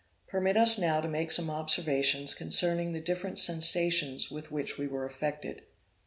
Permit us now to make some observations concerning the different sensations with which we were affected.